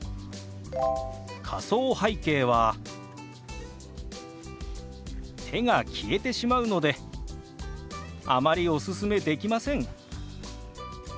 仮想背景は手が消えてしまうのであまりおすすめできません。